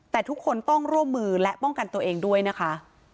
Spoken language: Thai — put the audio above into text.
แต่ทุกคนต้องร่วมมือและป้องกันตัวเองด้วยนะคะ